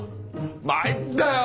まいったよ。